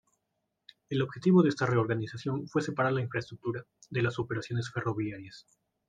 El objetivo de esta reorganización fue separar la infraestructura, de las operaciones ferroviarias.